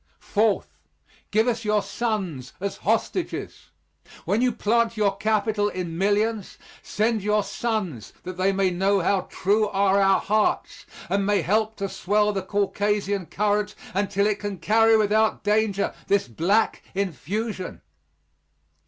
Fourth, give us your sons as hostages. When you plant your capital in millions, send your sons that they may know how true are our hearts and may help to swell the Caucasian current until it can carry without danger this black infusion.